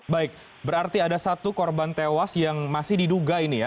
baik berarti ada satu korban tewas yang masih diduga ini ya